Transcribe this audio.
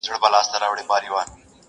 ما و شیخ بېګا له یو خومه چيښله